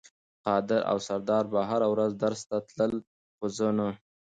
قادر او سردار به هره ورځ درس ته تلل خو زه نه.